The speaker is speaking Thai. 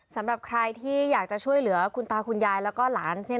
สำหรับใครที่อยากจะช่วยเหลือคุณตาคุณยายแล้วก็หลาน